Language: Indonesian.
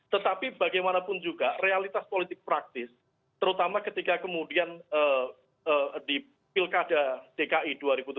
tetapi bagaimanapun juga realitas politik praktis terutama ketika kemudian di pilkada dki dua ribu tujuh belas